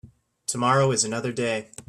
Tomorrow is another day.